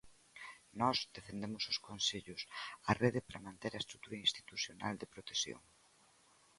Nós defendemos os concellos, a rede para manter a estrutura institucional de protección.